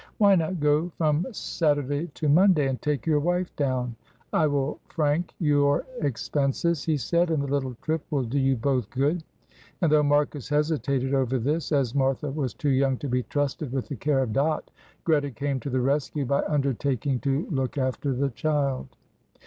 "Why not go from Saturday to Monday, and take your wife down? I will frank your expenses," he said, "and the little trip will do you both good." And though Marcus hesitated over this, as Martha was too young to be trusted with the care of Dot, Greta came to the rescue by undertaking to look after the child.